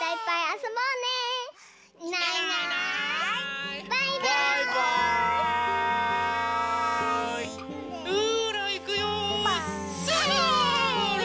それ！